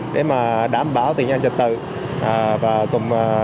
để đảm bảo tình hình an trật tự